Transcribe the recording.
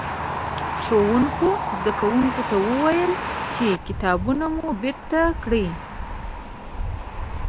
ښوونکي؛ زدکوونکو ته وويل چې کتابونه مو بېرته کړئ.